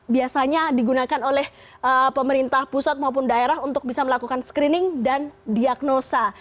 biasanya digunakan oleh pemerintah pusat maupun daerah untuk bisa melakukan screening dan diagnosa